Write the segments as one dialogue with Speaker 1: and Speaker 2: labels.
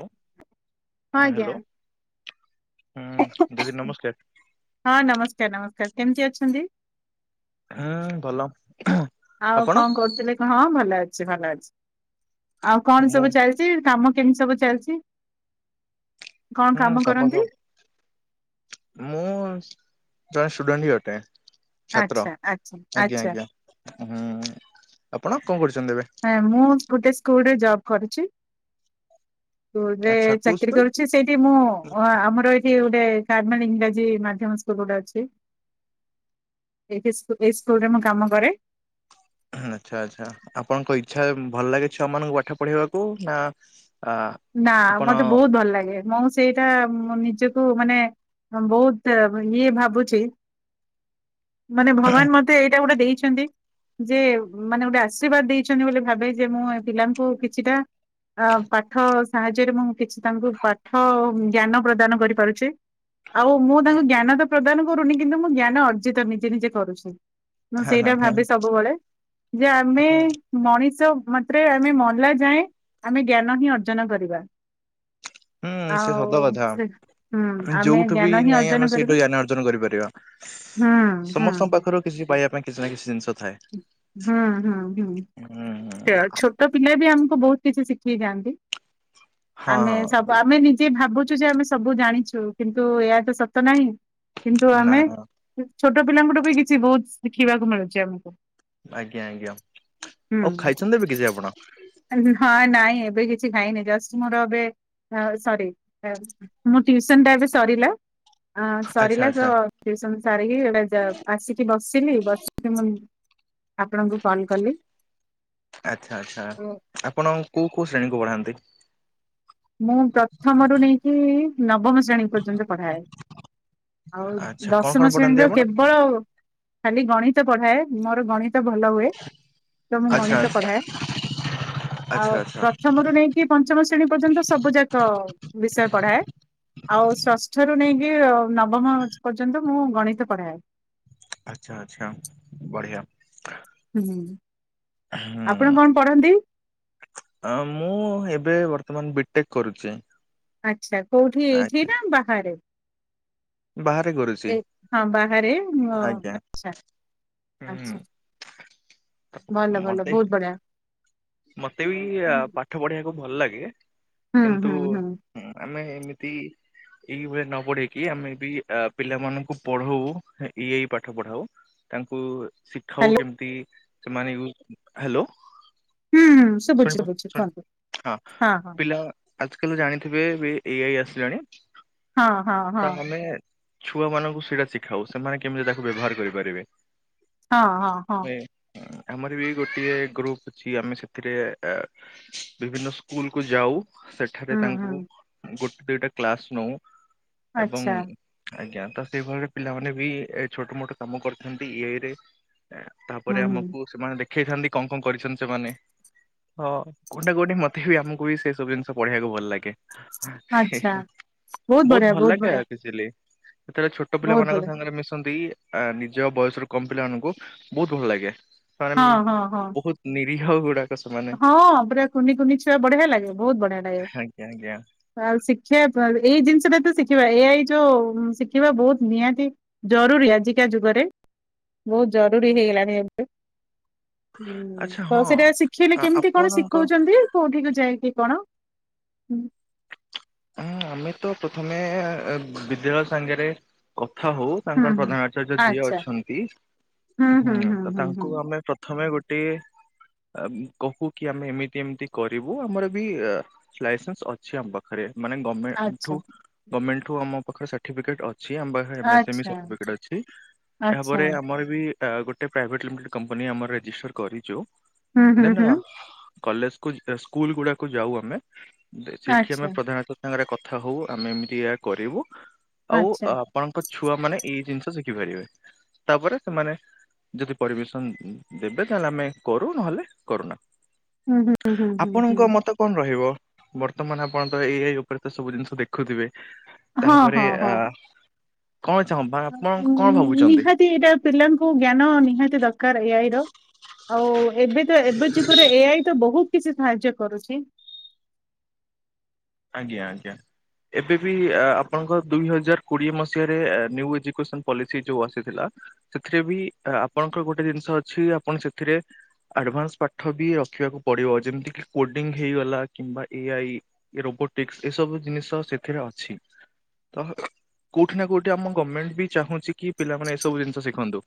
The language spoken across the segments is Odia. Speaker 1: ହ୍ୟାଲୋ
Speaker 2: ହଁ ଆଜ୍ଞା
Speaker 1: ହ୍ୟାଲୋ ହଁ ଦିଦି ନମସ୍କାର।
Speaker 2: ହଁ ନମସ୍କାର ନମସ୍କାର କେମିତି ଅଛନ୍ତି?
Speaker 1: ହୁଁ ଭଲ।
Speaker 2: ଆଉ
Speaker 1: ଆପଣ
Speaker 2: କଣ କରୁଥିଲେ ହଁ ଭଲ ଅଛି ଭଲ ଅଛି ଆଉ କଣ
Speaker 1: ମୁଁ
Speaker 2: ସବୁ ଚାଲ,, ଚି କାମ କେମିତି ସବୁ ଚାଲିଛି? କଣ
Speaker 1: ହୁଁ କାମ
Speaker 2: କରନ୍ତି?
Speaker 1: ସବୁ ମୁଁ ଜଣେ ଷ୍ଟୁଡେଣ୍ଟ ହଁ ଅଟେ ଛାତ୍ର
Speaker 2: ଆଚ୍ଛା ଆଚ୍ଛା
Speaker 1: ଆଜ୍ଞା
Speaker 2: ଆଚ୍ଛା
Speaker 1: ଆଜ୍ଞା ହୁଁ ଆପଣ କଣ କରୁଛନ୍ତି ଏବେ?
Speaker 2: ନା ମୁଁ ଗୋଟେ ସ୍କୁଲୁରେଜବ୍ କରୁଛି। ସ୍କୁଲରେ
Speaker 1: ଆଚ୍ଛା କୋଉ
Speaker 2: ଚାକିରୀ
Speaker 1: ସ୍କୁଲ
Speaker 2: କରୁଛି ସେଇଠି ମୁଁ ଆମର ଏ ଏଇ ଗୋଟେ [unintelligible] ଇଂରାଜୀ ମାଧ୍ୟମ ସ୍କୁଲ ଗୋଟେ ଅଛି। ଏଠି ଏଇ ସ୍କୁଲୁରେ ମୁଁ କାମ କରେ।
Speaker 1: ହଁ ଆଛା ଆଚ୍ଛା ଆପଣଙ୍କ ଇଚ୍ଛା ଭଲ ଲାଗେ ଛୁଆ ମାନଙ୍କୁ ପାଠ ପଢେଇବାକୁ ନା? ଆ
Speaker 2: ନା
Speaker 1: ଆପଣ
Speaker 2: ମତେ ବହୁତ ଭଲ ଲାଗେ ମୁଁ ସ୍କୁ ସେଇଟା ମୁଁ ନିଜକୁ ମାନେ ବହୁତ ଇଏ ଭାବୁଛି। ମାନେ ଭଗବାନ ମତେ ଏଇଟା ଗୋଟେ ଦେଇଛନ୍ତି। ଯେ ମାନେ ଗୋଟେ ଆଶୀର୍ବାଦ ଦେଇଛନ୍ତି ବୋଲି ଭାବେ ଯେ ମୁଁ ଏ ପିଲାଙ୍କୁ କିଛିଟା। ଆ ପାଠ ସାହାଯ୍ୟରେ ମୁଁ କିଛି ତାଙ୍କୁ ପାଠ ଜ୍ଞାନ ପ୍ରଦାନ କରିପାରୁଛି। ଆଉ ମୁଁ ତାଙ୍କୁ ଜ୍ଞାନ ତ ପ୍ରଦାନ କରୁନି କିନ୍ତୁ ମୁଁ ଜ୍ଞାନ ଅର୍ଜିତ ନିଜେ ନିଜେ କରୁଛି। ମୁଁ
Speaker 1: ହଁ
Speaker 2: ସେଇଟା
Speaker 1: ହଁ ହଁ
Speaker 2: ଭାବେ ସବୁବେଳେ ଯେ ଆମେ
Speaker 1: ହୁଁ
Speaker 2: ମଣିଷ ମାତ୍ରେ ଆମେ ମଲା ଯାଏ ଆମେ ଜ୍ଞାନ ହିଁ ଅର୍ଜନ କରିବା।
Speaker 1: ଚ ଓ ହୁଁ ସେ
Speaker 2: ଆଉ
Speaker 1: ସତ କଥା
Speaker 2: ସେ ହୁଁ ଆମେ
Speaker 1: ଯୋଉଠୁ ବି
Speaker 2: ଜ୍ଞାନ ହିଁ
Speaker 1: ନାଇଁ
Speaker 2: ଅର୍ଜନ
Speaker 1: ଆମେ
Speaker 2: କରିବୁ
Speaker 1: ସେଇଠୁ ଜ୍ଞାନ ଅର୍ଜନ କରିପାରିବା।
Speaker 2: ହୁଁ ହୁଁ।
Speaker 1: ସମସ୍ତଙ୍କ ପାଖରୁ କିଛି ପାଇବା ପାଇଁ କିଛି ନା କିଛି ଜିନିଷ ଥାଏ।
Speaker 2: ହୁଁ ହୁଁ ହୁଁ
Speaker 1: ହୁଁ
Speaker 2: ସେଇୟା ଛୋଟ ପିଲା ବି ଆମକୁ ବୋହୁତ କିଛି ଶିଖାଇଥାନ୍ତି।
Speaker 1: ହଁ
Speaker 2: ଆମେ
Speaker 1: ହଁ
Speaker 2: ସବୁ ଆମେ ନିଜେ ଭାବୁଛୁ ଯେ ଆମେ ସବୁ ଜାଣିଛୁ କିନ୍ତୁ ଏହାତ ସତ ନାହିଁ। କିନ୍ତୁ ଆମେ
Speaker 1: ନା
Speaker 2: ଛୋଟ ପିଲାଙ୍କଠୁ ବି କିଛି ବୋହୁତ ଶିଖିବାକୁ ମିଳୁଛି ଆମକୁ।
Speaker 1: ଆଜ୍ଞା ଆଜ୍ଞା ଆଉ
Speaker 2: ହୁଁ
Speaker 1: ଖାଇଛନ୍ତି ଏବେ କିଛି ଆପଣ?
Speaker 2: ହଁ ନାଇଁ ଏବେ କିଛି ଖାଇନି ଜଷ୍ଟ ମୋର ଏବେ ହଁ ସରି। ମୋ ଟିୟୁସନ ଟା ଏବେ ସରିଲା
Speaker 1: ଆଚ୍ଛା
Speaker 2: ସରିଲା ତ
Speaker 1: ଆଚ୍ଛା
Speaker 2: ଟିୟୁସନ ସାରିକି ଏଡ଼ା ଜାଅ ଆସିକି ବସିଲି ବସିକି ମୁଁ ଆପଣଙ୍କୁ କଲ୍ କଲି।
Speaker 1: ଆଛା ଆଛା ଆପଣ କୋଉ କୋଉ ଶ୍ରେଣୀକୁ ପଢାନ୍ତି?
Speaker 2: ମୁଁ ପ୍ରଥମରୁ ନେଇକି ନବମ ଶ୍ରେଣୀ ପର୍ଯ୍ୟନ୍ତ ପଢାଏ। ଆଉ
Speaker 1: ଆଚ୍ଛା କଣ କଣ
Speaker 2: ଦଶମ
Speaker 1: ପଢାନ୍ତି
Speaker 2: ଶ୍ରେଣୀର
Speaker 1: ଆପଣ
Speaker 2: କେବଳ ଖାଲି ଗଣିତ ପଢାଏ ମୋର ଗଣିତ ଗଣିତ ଭଲ ହୁଏ ତ ମୁଁ
Speaker 1: ଆଚ୍ଛା
Speaker 2: ଗଣିତ
Speaker 1: ଆଚ୍ଛା
Speaker 2: ପଢାଏ
Speaker 1: ଆଚ୍ଛା
Speaker 2: ଆଉ
Speaker 1: ଆଚ୍ଛା।
Speaker 2: ପ୍ରତେକ ପ୍ରଥମରୁ ନେଇକି ପଞ୍ଚମ ଶ୍ରେଣୀ ପର୍ଯ୍ୟନ୍ତ ସବୁ ଯାକ ବିଷୟ ପଢାଏ। ଆଉ ଷଷ୍ଠ ରୁ ନେଇକି ନବମ ପର୍ଯ୍ୟନ୍ତ ମୁଁ ଗଣିତ ପଢାଏ।
Speaker 1: ଆଚଛା ଆଚଛା ବଢିଆ।
Speaker 2: ହୁଁ ହୁଁ ଆପଣ କଣ ପଢନ୍ତି?
Speaker 1: ଅ ମୁଁ ଏବେ ବର୍ତ୍ତମାନ ବିଟେକ୍ କରୁଚି।
Speaker 2: ଆଛା କୋଉଠି ଏଇଠି ନା ବାହାରେ?
Speaker 1: ବାହାରେ କରୁଛି
Speaker 2: ହଁ ବାହାରେ
Speaker 1: ଆଜ୍ଞା
Speaker 2: ଆଛା।
Speaker 1: ହୁଁ।
Speaker 2: ଆଛା ଭଲ ଭଲ
Speaker 1: ମତେ
Speaker 2: ବୋହୁତ ବଢିଆ।
Speaker 1: ମତେ ବି
Speaker 2: ହୁଁ
Speaker 1: ପାଠ ଆ ପଢିବାକୁ ଭଲ ଲାଗେ
Speaker 2: ହୁଁ
Speaker 1: କିନ୍ତୁ
Speaker 2: ହୁଁ
Speaker 1: ହଁ ଆମେ ଏମିତି ଏଇଭଳିଆ ନ ପଢେଇକି ଆମେ ବି ପିଲାମାନଙ୍କୁ ପଢାଉ ଇ ଏଇ ପାଠ ପଢାଉ। ତାଙ୍କୁ ଶିଖାଉ
Speaker 2: ହ୍ୟାଲୋ
Speaker 1: କେମିତି ସେମାନେ ହାଲୋ।
Speaker 2: ହୁଁ ହୁଁ ଶୁଭୁଚି ଶୁଭୁଚି କୁହନ୍ତୁ ହଁ ହଁ।
Speaker 1: ପିଲା ଆଜିକାଲି ଜାଣିଥିବେ ବି ଏଇଆଇ ଆସିଲାଣି
Speaker 2: ହଁ ହଁ ହଁ
Speaker 1: ତ ଆମେ ଛୁଆମାନାନଙ୍କୁ ସେଇଟା ଶିଖାଉ ସେମାନେ କେମିତି ତାକୁ ବ୍ୟବହାର କରିପାରିବେ।
Speaker 2: ହଁ ହଁ ହଁ।
Speaker 1: ଆମେ ଆମର ବି ଗୋଟଏ ଗ୍ରୁପ ଅଛି ଆମେ ସେ ଏଥିରେ ବିଭିନ୍ନ ସ୍କୁଲ କୁ ଯାଉ। ସେଠାରେ
Speaker 2: ହୁଁ ହୁଁ
Speaker 1: ତାଙ୍କୁ ଗୋଟେ ଦିଇଟା କ୍ଲାସ ନଉ ଏବଂ
Speaker 2: ଆଚ୍ଛା
Speaker 1: ଆଜ୍ଞା ତ ସେଇଭଳିରେ ପିଲାମାନେ ବି ଏ ଛୋଟ ମୋଟ କାମ କରିଥାନ୍ତି ଇଆଇ ରେ।
Speaker 2: ହୁଁ
Speaker 1: ତାପରେ
Speaker 2: ହୁଁ
Speaker 1: ଆମକୁ ସେମାନେ ଦେଖେଇଥାନ୍ତି କଣ କଣ କରିଛନ୍ତି ସେମାନେ ହଁ କୋଉଠି କୋଉଠି ମତେ ବି ଆମକୁ ବି ସେ ସବୁ ଜିନିଷ ପଢେଇିବାକୁ ଭଲ ଲାଗେ।
Speaker 2: ଆଚ୍ଛା ବହୁତ
Speaker 1: ବୋହୁତ
Speaker 2: ବଢିଆ
Speaker 1: ଭଲ
Speaker 2: ବହୁତ
Speaker 1: ଲାଗେ
Speaker 2: ବଢିଆ
Speaker 1: ଆକଚୁଆଲି। ସେତେବେଳେ ଛୋଟ
Speaker 2: ବହୁତ
Speaker 1: ପିଲାମାନାନଙ୍କ
Speaker 2: ବଢିଆ
Speaker 1: ସାଙ୍ଗରେ ମିଶନ୍ତି ଆ ନିଜ ବୟସ ର କମ ପିଲା ମାନଙ୍କୁ ବୋହୁତ ଭଲ ଲାଗେ ସେମାନେ
Speaker 2: ହଁ ହଁ ହଁ
Speaker 1: ବୋହୁତ ନିରିୀହ ଗୁଡାକ। ସେମାନେ
Speaker 2: ହଁ ପୁରା କୁନି କୁନି ଛୁଆ ବଢିଆ ଲାଗେ ବୋହୁତ ବଢିଆ ଲାଗେ।
Speaker 1: ଆଜ୍ଞା ଆଜ୍ଞା
Speaker 2: ଆଉ ଶିଖିବା ପ୍ରଣାଳି ଏଇ ଜିନିଷଟା ତ ଶିଖିବା ଏଆଇ ଯୋଉ ଶିଖିବା ବୋହୁତ ନିହାତି ଜରୁରୀ ଆଜିକା ଯୁଗରେ ବୋହୁତ ଜରୁରୀ ହେଇଗଲାଣି ଏବେ। ହୁଁ
Speaker 1: ଆଚ୍ଛା
Speaker 2: ତ
Speaker 1: ହଁ।
Speaker 2: ସେଟା ଶିଖେଇଲେ
Speaker 1: ଆ
Speaker 2: କେମିତି କଣ
Speaker 1: ଆପଣଙ୍କ ଉଁ
Speaker 2: ଶିଖଉଛନ୍ତି? ବି କୋଉଠିକୁ ଯାଇକି କଣ ହୁଁ।
Speaker 1: ହଁ ଆମେ ତ ପ୍ରଥମେ ବିଦ୍ୟାଳୟ ସାଙ୍ଗରେ କଥା ହୋଉ
Speaker 2: ହୁଁ
Speaker 1: ତାଙ୍କର
Speaker 2: ହୁଁ।
Speaker 1: ପ୍ରଧାନ ଆଚାର୍ଯ୍ୟ ଯିଏ
Speaker 2: ଆଚ୍ଛା
Speaker 1: ଅଛନ୍ତି ହୁଁ ତ ତାଙ୍କୁ ଆମେ ପ୍ର ପ୍ରଥମେ ଗୋଟିଏ କହୁ କି ଆମେ ଏମିତି ଏମିତି କରିବୁ ଆମର ବି ଲାଇସେନ୍ସ ଅଛି ଆମ ପାଖ ରେ ମାନେ
Speaker 2: ଆଚ୍ଛା
Speaker 1: ଗମେଣ୍ଟରୁ ଗମେଣ୍ଟ ରୁ ଆମ ପାଖରେ ଷାଠିଏ ଲକ୍ଷ୍ୟ ଅଛି ଆମ ମେସିନ
Speaker 2: ଆଚ୍ଛା
Speaker 1: ସାଟିଫିକେଟ ଅଛି
Speaker 2: ଆଚ୍ଛା
Speaker 1: ଏହାପରେ ଆମର ବି ଗୋଟେ ପ୍ରାଏଭେଟ ଲିମିଟେଡ଼ କମ୍ପାନୀ ଆମର ରେଜିଷ୍ଟର କରିଛୁ
Speaker 2: ହୁଁ ହୁଁ
Speaker 1: ଦେନ
Speaker 2: ହୁଁ
Speaker 1: କଲେଜ କୁ ସ୍କୁଲ ଗୁଡାକୁ ଯାଉ ଆମେ ସେଇଠି
Speaker 2: ଆଚ୍ଛା
Speaker 1: ଆମେ ପ୍ରଧାନତ ସାଙ୍ଗରେ କଥା ହଉ ଆମେ ଏମିତିକା କରିବୁ ଆଉ
Speaker 2: ଆଚ୍ଛା
Speaker 1: ଆପଣଙ୍କ ଛୁଆ ମାନେ ଏଇ ଜିନିଷ ଶିଖି ପାରିବେ ତାପରେ ସେମାନେ ଯଦି ପରମିସନ ଦେବେ ତାହେଲେ ଆମେ କରୁ ନହେଲେ କରୁନା।
Speaker 2: ହୁଁ ହୁଁ ହୁଁ ହୁଁ ହୁଁ
Speaker 1: ଆପଣଙ୍କ ମତ କଣ ରହିବ? ବର୍ତ୍ତମାନ ଆପଣ ତ ଏ ଆଇ ଉପରେ ତ ସବୁ ଜିନିଷ ଦେଖୁଥିବେ
Speaker 2: ହଁ
Speaker 1: ତାପରେ
Speaker 2: ହଁ
Speaker 1: ଆ
Speaker 2: ହଁ।
Speaker 1: କଣ ଚାବା ଆପଣ
Speaker 2: ଉଁ,
Speaker 1: କଣ ଭାବୁଛନ୍ତି
Speaker 2: ନିହାତି ଏଇଟା ପିଲାଙ୍କୁ ଜ୍ଞାନ ନିହାତି ଦରକାର ଏ ଆଇ ର ଆଉ ଏବେ ତ ଏବେ ଯୁଗରେ ଏ ଆଇ ତ ବହୁତ କିଛି ସାହାଯ୍ୟ କରୁଛି।
Speaker 1: ଆଜ୍ଞା ଆଜ୍ଞା। ଏବେ ବି ଆପଣଙ୍କ ଦୁଇ ହଜାର କୋଡିଏ ମସିହାରେ ନିୟୁ ଏଜୁକେସନ ପଲିସି ଯୋଉ ଆସିଥିଲା। ସେଥିରେ ବି ଆପଣଙ୍କର ଗୋଟେ ଜିନିଷ ଅଛି ଆପଣ ସେଥିରେ ଆଡ଼ଭାନ୍ସ ପାଠ ବି ରଖିବାକୁ ପଡିବ ଯେମିତିକି କୋଡିଙ୍ଗ ହେଇଗଲା କିମ୍ବା ଏ ଆଇ ରୋବୋଟିକ୍ସ ରେ ସବୁ ଜିନିଷ ସେଥିରେ ଅଛି। ତ କୋଉଠି ନା କୋଉଠି ଆମ ଗମେଣ୍ଟ ବି ଚାହୁଁଛି କି ପିଲାମାନେ ଏସବୁ ଜିନିଷ ଶିଖନ୍ତୁ।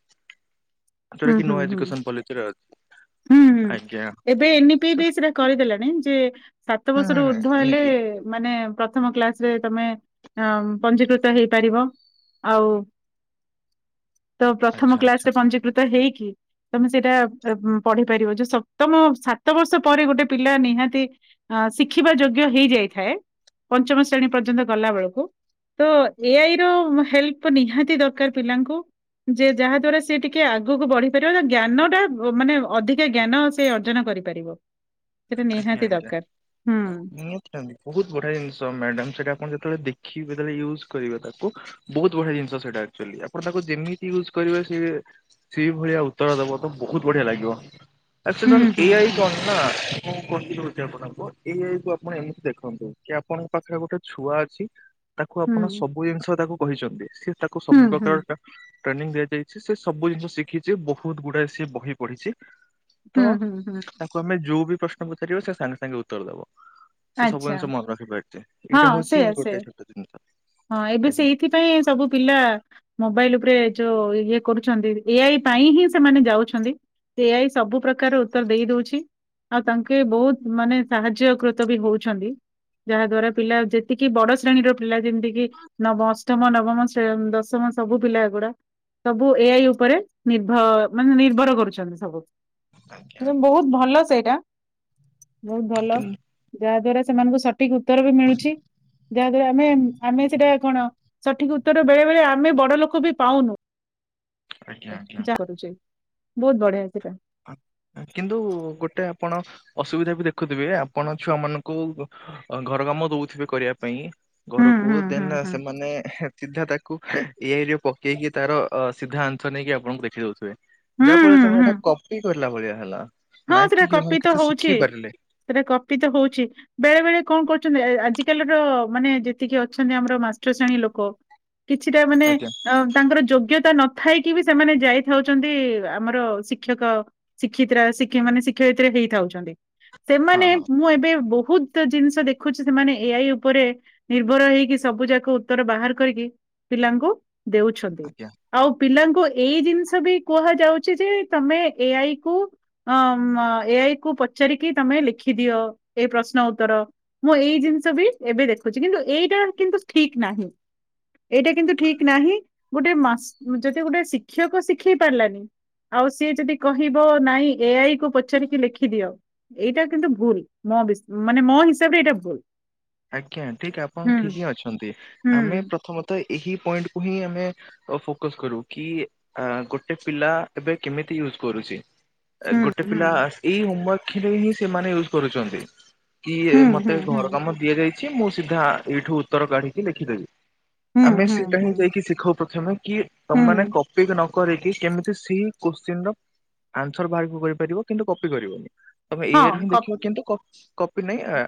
Speaker 1: ଯୋଉଟା
Speaker 2: ହୁଁ
Speaker 1: କି
Speaker 2: ହୁଁ
Speaker 1: ନୂଆ
Speaker 2: ହୁଁ।
Speaker 1: ଏଜୁକେଶନ ପଲିସି ରେ ଅଛି
Speaker 2: ହୁଁ ହୁଁ
Speaker 1: ଆଜ୍ଞା।
Speaker 2: ଏବେ ଏନିପି
Speaker 1: ତ
Speaker 2: ବେଶ ରେ କରିଦେଲାଣି ଯେ ସାତ
Speaker 1: ହୁଁ
Speaker 2: ବର୍ଷରୁ
Speaker 1: ହୁଁ
Speaker 2: ଉର୍ଦ୍ଧ୍ୱ ହେଲେ
Speaker 1: ଏମିତି
Speaker 2: ମାନେ ପ୍ରଥମ କ୍ଲାସ ରେ ତମେ ପଞ୍ଜିକୃତ ହେଇପାରିବ ଆଉ ତ
Speaker 1: ଆଚ୍ଛା
Speaker 2: ପ୍ରଥମ କ୍ଲାସ
Speaker 1: ଆଚ୍ଛା
Speaker 2: ରେ ପଞ୍ଜୀିକୃତ ହେଇକି ତମେ ସେଇଟା ପଢି ପାରିବ ଯୋଉ ସପ୍ତମ ସାତ ବର୍ଷ ପରେ ଗୋଟେ ପିଲା ନିହାତି ଅ ଶିଖିବା ଯୋଗ୍ୟ ହେଇଯାଇଥାଏ। ପଞ୍ଚମ ଶ୍ରେଣୀ ପର୍ଯ୍ୟନ୍ତ ଗଲା ବେଳକୁ ତ ଏଆଇ ର ହେଲ୍ପ ନିହାତି ଦରକାର ପିଲାଙ୍କୁ ଯେ ଯାହା ଦ୍ଵାରା ସେ ଟି ଟିକେ ଆଗକୁ ବଢି ପାରିବ ନା ଜ୍ଞାନ ଟା ମାନେ ଅଧିକା ଜ୍ଞାନ ସେ ଅର୍ଜନ କରିପାରିବ। ସେଟା
Speaker 1: ଆଜ୍ଞା
Speaker 2: ନିହାତି
Speaker 1: ଆଜ୍ଞା
Speaker 2: ଦରକାର ହୁଁ
Speaker 1: ମୁଁ ବହୁତ ବଢିଆ ଜିନିଷ ମ୍ୟାଡାମ ସେଟା ଆପଣ ଯେତେବେଳେ ଦେଖିବେ ଯେତେବେଳେ ୟଜ୍ କରିବ ତାକୁ ବହୁତ ବଢିଆ ଜିନିଷ ସେଇଟା ଆକଚୁଆଲି ଆପଣ ତାକୁ ଯେମିତି ୟୁଜ କରିବେ ସିଏ ସେଇ ଭଳିଆ ଉତ୍ତର ଦବ ତ ବହୁତ ବଢିଆ ଲାଗିବ ଆ
Speaker 2: ହୁଁ
Speaker 1: ସେଟା ଏ ଆଇ
Speaker 2: ହୁଁ
Speaker 1: କଣନା। କଣ ରହୁଛି ଦଉଛି ଆପଣଙ୍କୁ ଏ ଆଇ କୁ ଆପଣ ଏମିତି ଦେଖନ୍ତୁ। କି ଆପଣଙ୍କ ପାଖରେ ଗୋଟେ ଛୁଆ ଅଛି ତାକୁ
Speaker 2: ହୁଁ
Speaker 1: ଆପଣ ସବୁ ଜିନିଷ ତାକୁ କହିଛନ୍ତି। ସେ ତାକୁ
Speaker 2: ହୁଁ
Speaker 1: ସବୁ
Speaker 2: ହୁଁ ହୁଁ
Speaker 1: ପ୍ରକାର ଟା ଟ୍ରେନିଂ ଦିଆ ଯାଇଛି ସେ ସବୁ ଜିନିଷ ଶିଖିଛି ବହୁତ ଗୁଡାଏ ସିଏ ବହି ପଢିଛି। ତ
Speaker 2: ହୁଁ ହୁଁ ହୁଁ
Speaker 1: ତାକୁ ଆମେ ଯୋଉ ବି ପ୍ରଶ୍ନ ପଚାରିବା ସେ ସାଙ୍ଗେ ସାଙ୍ଗେ ଉତ୍ତର ଦବ। ସେ ସବୁ
Speaker 2: ଆଚ୍ଛା
Speaker 1: ଜିନିଷ ମନେ ରଖିପାରୁଛି
Speaker 2: ହଁ
Speaker 1: ଏଇଟା ହଉଛି
Speaker 2: ସେୟା ସେୟା
Speaker 1: ଗୋଟେ ଛୋଟ ଜିନିଷ ଆଜ୍ଞା।
Speaker 2: ପାଇଁ ସବୁ ପିଲା ମୋବାଇଲ ଉପରେ ଯୋଉ ଇଏ କରୁଛନ୍ତି ଏଆଇ ପାଇଁ ହିଁ ସେମାନେ ଯାଉଛନ୍ତି। ଏ ଆଇ ସବୁ ପ୍ରକାର ଉତ୍ତର ଦେଇ ଦଉଛି। ଆଉ ତାଙ୍କେ ବହୁତ ମାନେ ସାହାଯ୍ୟକୃତ ବି ହଉଛନ୍ତି ଯାହା ଦ୍ଵାରା ପିଲା ଯେତିକି ବଡ ଶ୍ରେଣୀର ପିଲା ଯେମିତିକି ନବ ଅଷ୍ଟମ ନବମ ଶ୍ରେ ଦଶମ ସବୁ ପିଲା ଗୁଡା ସବୁ ଏ ଆଇ ଉପରେ ନିର୍ଭର ମାନେ ନିର୍ଭର କରୁଛନ୍ତି
Speaker 1: ଆଜ୍ଞା
Speaker 2: ସବୁ। ବହୁତ ଭଲ ସେଇଟା, ବହୁତ ଭଲ।
Speaker 1: କିନ୍
Speaker 2: ଯାହା ଦ୍ଵାରା ସେମାନଙ୍କୁ ସଠିକ ଉତ୍ତର ବି ମିଳୁଚି। ଯାହାଦଵାରା ଆମେ, ଆମେ ସେଟା କଣ ସଠିକ ଉତ୍ତର ବେଳେ- ବେଳେ ଆମେ ବଡ ଲୋକ ବି ପାଉନୁ।
Speaker 1: ଆଜ୍ଞା ଆଜ୍ଞା।
Speaker 2: ଯା କରୁଛି। ବହୁତ ବଢିଆ ସେଟା।
Speaker 1: କିନ୍ତୁ ଗୋଟେ ଆପଣ। ଅସୁବିଧା ବି ଦେଖୁଥିବେ, ଆପଣ ଛୁଆ ମାନଙ୍କୁ ଘର କାମ ଦଉଥିବେ କରିବା ପାଇଁ,
Speaker 2: ହୁଁ
Speaker 1: ଘରକୁ
Speaker 2: ହୁଁ ହୁଁ
Speaker 1: ଦେନ
Speaker 2: ହୁଁ
Speaker 1: ସେମାନେ ସିଧା ତା, ଆଇରେ ପକେଇକି ତାର ସିଧା ଆନ୍ସ ନେଇକି ଆପଣଙ୍କୁ ଦେଖି ଦଉଥିବେ। ଯାହା
Speaker 2: ହୁଁ
Speaker 1: ଫଳରେ
Speaker 2: ହୁଁ ହୁଁ
Speaker 1: ସେଟ, କରିଲା ଭଳିଆ ହେଲା।
Speaker 2: ହଁ
Speaker 1: ନା
Speaker 2: ସେଟା
Speaker 1: କି
Speaker 2: କପି ତ
Speaker 1: କିଛି ଶିଖେଇ
Speaker 2: ହଉଛି।
Speaker 1: ପାରିଲେ,
Speaker 2: ସେଟା କପି ତ ହଉଛି। ବେଳେ -ବେଳେ କଣ କରୁଛନ୍ତି, ଆଜିକାଲିର ମାନେ ଯେତିକି ଅଛନ୍ତି ଆମର ମାଷ୍ଟ ଶ୍ରେଣୀ ଲୋକ, କିଛିଟା ମାନେ
Speaker 1: ଆଜ୍ଞା
Speaker 2: ଅ ତାଙ୍କର ଯୋଗ୍ୟତା ନ, ଥାଇକି ବି ସେମାନେ ଯାଇଥାଉଛନ୍ତି, ଆମର ଶିକ୍ଷକ, ଶିକ୍ଷିତ ଶିକଷ ମାନେ ଶିକ୍ଷୟିତ୍ରୀରେ ହେଇଥାଉଛନ୍ତି।
Speaker 1: ହଁ
Speaker 2: ସେମାନେ
Speaker 1: ହଁ।
Speaker 2: ମୁଁ ଏବେ ବହୁତ, ଜିନିଷ ଦେଖୁଛି ସେମାନେ ଏ-ଆଇ ଉପରେ ନିର୍ଭର ହେଇକି, ସବୁ ଯାକ ଉତ୍ତର ବାହାର କରିକି, ପିଲାଙ୍କୁ ଦେଉଛି,
Speaker 1: ଆଜ୍ଞା।
Speaker 2: ଆଉ ପିଲାଙ୍କୁ ଏଇ ଜିନିଷ ବି କୁହାଯାଉଛି। ଯେ ତମେ ଏ-ଆଇ କୁ ଅ ଏ-ଆଇ କୁ ପଚାରିକି ତମେ ଲେଖିଦିଅ। ଏଇ ପ୍ରଶ୍ନ, ଉତ୍ତର ମୁଁ ଏଇ ଜିନିଷ ବି ଏବେ ଦେଖୁଛି। କିନ୍ତୁ ଏଇଟା କିନ୍ତୁ ଠିକ ନାହିଁ। ଏଇଟା କିନ୍ତୁ ଠିକ ନାହିଁ। ଗୋଟେ ଯଦି ଗୋଟେ ଶିକ୍ଷକ ଶିଖେଇ ପାରିଲାନି, ଆଉ ସିଏ ଯଦି କହିବ, ନାଇଁ ଏଆଇ କୁ ପଚାରିକି ଲେଖିଦିଅ। ଏଇଟା କିନ୍ତୁ ଭୁଲ। ମୋ ମାନେ ମୋ ହିସାବରେ ଏଇଟା ଭୁଲ।
Speaker 1: ଆଜ୍ଞା। ଠିକ ଆପଣ
Speaker 2: ହୁଁ
Speaker 1: ଠିକ ହିଁ ଅଛନ୍ତି
Speaker 2: ହୁଁ
Speaker 1: ଆମେ ପ୍ରଥମତଃ ଏହି ପଏଣ୍ଟକୁ ହିଁ ଆମେ। ଫୋକସ କରୁ। କି ଗୋଟେ ପିଲା ଏବେ କେମିତି ୟୁଜ କରୁଛି।
Speaker 2: ହୁଁ
Speaker 1: ଗୋଟେ ପିଲା
Speaker 2: ହୁଁ
Speaker 1: ଏଇ ହୋମୱାର୍କରେ ହିଁ ସେମାନେ ୟୁଜ କରୁଛନ୍ତି। କି ମତେ
Speaker 2: ହୁଁ ହୁଁ
Speaker 1: ଘର କାମ ଦିଆଯାଇଛି, ମୁଁ ସିଧା ଏଇଠୁ ଉତ୍ତର କାଢିକି ଲେଖିଦେବି।
Speaker 2: ହୁଁ
Speaker 1: ଆମେ
Speaker 2: ହୁଁ ହୁଁ
Speaker 1: ସେଇଟା ହିଁ
Speaker 2: ହୁଁ
Speaker 1: ଯାଇକି ଶିଖାଉ ପ୍ରଥମେ କି
Speaker 2: ହୁଁ
Speaker 1: ତମେମାନେ କପି। ନକରିକି କେମିତି ସେଇ କୋଶ୍ଚିନ ଆନ୍ସର ବାହାରକୁ କରିପାରିବ କିନ୍ତୁ କପି କରିବନି। ତମେ ଏଇରୁ ହିଁ
Speaker 2: ହଁ।
Speaker 1: ଦେଖିବ କିନ୍ତୁ କ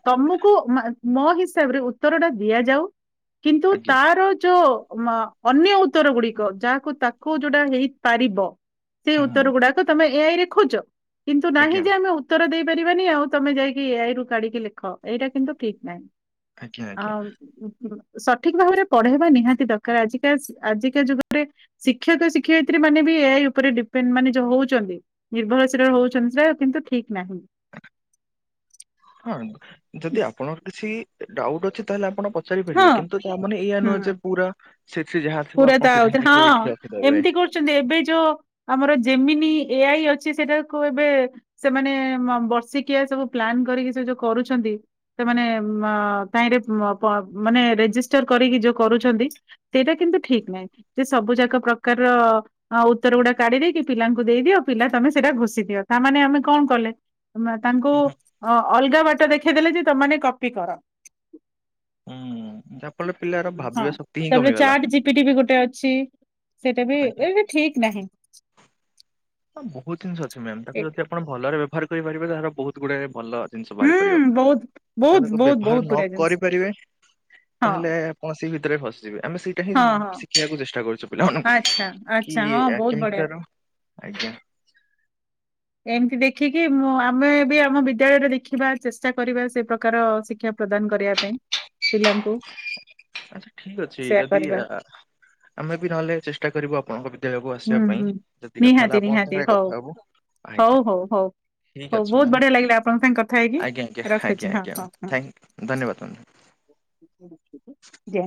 Speaker 2: ତମକୁ, ମୋ ହିସାବରେ ଉତ୍ତର ଟା ଦିଆଯାଉ। କିନ୍ତୁ
Speaker 1: ଆଜ୍ଞା
Speaker 2: ତାର ଯୋଉ ମ ଅନ୍ୟ ଉତ୍ତର ଗୁଡିକ ଯାହାକୁ ତାକୁ ଯୋଉଟା ହେଇପାରିବ ସେଇ
Speaker 1: ହୁଁ
Speaker 2: ଉତ୍ତର ଗୁଡାକ ତମେ। ଏ ଆଇରେଖୋଜ କିନ୍ତୁ ନାହିଁ
Speaker 1: ଆଜ୍ଞା
Speaker 2: ଯେ ଆମେ ଉତ୍ତର ଦେଇପାରିବାନି ଆଉ ତମେ ଯାଇକି ଏଆଇ ଋ। କାଢିକି ଲେଖ। ଏଇଟା କିନ୍ତୁ ଠିକ ନାହିଁ।
Speaker 1: ଆଜ୍ଞା ଆଜ୍ଞା।
Speaker 2: ଆ ସଠିକ ଭାବରେ ପଢେଇବା ନିହାତି ଦରକାର। ଆଜିକା, ଆଜିକା ଯୁଗରେ। ଶିକ୍ଷକ, ଶିକ୍ଷୟିତ୍ରୀ ମାନେ ବି ଏ-ଆଇ ଉପରେ ଡିପେଣ୍ଡ ମାନେ ଯ ହଉଛନ୍ତି। ନିର୍ଭରଶୀଳ ହଉଛନ୍ତି ଯ କିନ୍ତୁ ଠିକ୍ ନାହିଁ।
Speaker 1: ହଁ, ଯଦି ଆପଣଙ୍କ କିଛି ଡାଉଟ୍ ଅଛି, ତାହେଲେ ଆପଣ ପଚ
Speaker 2: ହଁ
Speaker 1: ଚାରିପାରିବେ। କିନ୍ତୁ ତା ମାନେ ଏଇଆ ନୁହେଁ
Speaker 2: ହୁଁ।
Speaker 1: ଯେ, ପୁରା ସେ ଯାହା ଥିବ
Speaker 2: ପୁରା
Speaker 1: ଆପଣ
Speaker 2: ତା
Speaker 1: ସିଧା
Speaker 2: ଆଉଥିରେ
Speaker 1: ଆଖିବେ
Speaker 2: ହଁ
Speaker 1: ଏଇଠି। ରଖିଦେବେ।
Speaker 2: ଏମିତି କରୁଛନ୍ତି, ଏବେ ଯୋଉ ଆମର ଜେମିନି ଏ-ଆଇ ଅଛି ସେଟାକୁ ଏବେ। ସେମାନେ ବର୍ଷିକିଆ ସବୁ ପ୍ଲାନ୍ କରିକି ସେ ଯୋଉ କରୁଛନ୍ତି। ସେମାନେ ତାହିଁରେ ମାନେ, ରେଜିଷ୍ଟର କରିକି ଯୋଉ କରୁଛନ୍ତି। ସେଇଟା କିନ୍ତୁ ଠିକ ନାହିଁ। ଯେ ସବୁ ଯାକ ପ୍ରକାରର ହଁ ଉତ୍ତର ଗୁଡା କାଢି ଦେଇକି ପିଲାଙ୍କୁ ଦେଇଦିଅ ପିଲା ତମେ ସେଇଟା ଘୋଷି ଦିଅ ତାମାନେେ ଆମେ କଣ କଲେ। ତାଙ୍କୁ ଅ ଅଲଗା ବାଟ ଦେଖେଇଦେଲେ ଯେ, ତମେ ମାନେ କପି କର।
Speaker 1: [inaudible]
Speaker 2: ହଁ,
Speaker 1: ଭାବିବା ଶକ୍ତି ହିଁ
Speaker 2: ତାପରେ
Speaker 1: କମିଗଲା
Speaker 2: ଚ୍ୟାଟ୍ ଜିପିଟି ବି ଗୋଟେ ଅଛି। ସେଇଟା ବି
Speaker 1: ଆଜ୍ଞା।
Speaker 2: ଏବେ ଠିକ୍ ନାହିଁ।
Speaker 1: ହଁ, ବହୁତ ଜିନିଷ ଅଛି ମ୍ୟାମ୍
Speaker 2: ଏ
Speaker 1: ତାକୁ ଯଦି ଆପଣ ଭଲରେ ବ୍ୟବହାର କରିପାରିବେ ତାହାର ବହୁତ ଗୁଡେ ଭଲ ଜିନିଷ ବାହାରି ପାରିବ,
Speaker 2: ହୁଁ ବହୁତ
Speaker 1: ଯଦି
Speaker 2: ବହୁତ
Speaker 1: ତାକୁ
Speaker 2: ବହୁତ
Speaker 1: ବ୍ୟବହାର
Speaker 2: ବହୁତ
Speaker 1: ନ
Speaker 2: ବଢିଆ ଜିନିଷ।
Speaker 1: କରିପାରିବେ
Speaker 2: ହଁ
Speaker 1: ତାହେଲେ ଆପଣ ସେଇ ଭିତରେ ଫସିଯିବେ, ଆମେ ସେଇଟା ହିଁ
Speaker 2: ହଁ ହଁ
Speaker 1: ଶିଖିବାକୁ ଚେଷ୍ଟା କରୁଛୁ। ପିଲାମାନଙ୍କୁ
Speaker 2: ଆଚ୍ଛା
Speaker 1: କି
Speaker 2: ଆଚ୍ଛା ହଁ ବହୁତ
Speaker 1: କେମିତି
Speaker 2: ବଢିଆ
Speaker 1: ତାର, ଆଜ୍ଞା।
Speaker 2: ଏମିତି ଦେଖିକି ମୁଁ ଆମେ ବି ଆମ ବିଦ୍ୟାଳୟରେ ଦେଖିବା, ଚେଷ୍ଟା କରିବା ସେ ପ୍ରକାର ଶିକ୍ଷା ପ୍ରଦାନ କରିବା ପାଇଁ ପିଲାଙ୍କୁ।
Speaker 1: ଆଚ୍ଛା, ଠିକ୍ ଅଛି
Speaker 2: ସେୟା
Speaker 1: ଯଦି
Speaker 2: କରିବା
Speaker 1: ଆ ଆ ଆମେ ବି ନହେଲେ ଚେଷ୍ଟା କରିବୁ ଆପଣଙ୍କ ଭି [inaudible] କୁ
Speaker 2: ହୁଁ
Speaker 1: ଆସିବା ପାଇଁ
Speaker 2: ହୁଁ।
Speaker 1: ଯଦି କଥା
Speaker 2: ନିହାତି
Speaker 1: ହେଲା ଆପଣଙ୍କ
Speaker 2: ନିହାତି
Speaker 1: ସାଙ୍ଗରେ
Speaker 2: ହଉ
Speaker 1: କଥା ହେବୁ, ଆ
Speaker 2: ହଉ, ହଉ, ହଉ। ହଉ, ବହୁତ ବଢିଆ ଲାଗିଲା ଆପଣଙ୍କ ସାଙ୍ଗେ କଥା ହେଇକି
Speaker 1: ଆଜ୍ଞା ଆଜ୍ଞା ଆଜ୍ଞା
Speaker 2: ରଖୁଛି ହଁ,
Speaker 1: ଆଜ୍ଞା
Speaker 2: ହଁ,
Speaker 1: ମ୍ୟାମ୍।
Speaker 2: ହଁ।
Speaker 1: ଥ୍ୟାଙ୍କ ଧନ୍ୟବାଦ।
Speaker 2: ଜୟ